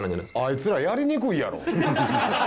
あいつらやりにくいやろ！